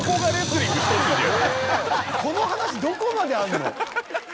この話どこまであるの？